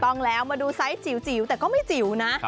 ต้องแล้วมาดูไซส์จิ๋วแต่ก็ไม่จิ๋วนะ